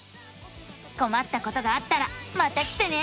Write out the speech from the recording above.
こまったことがあったらまた来てね！